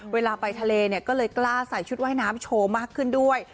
เวลาไปทะเลเนี่ยก็เลยกล้าใส่ชุดว่ายน้ำโชว์มากขึ้นด้วย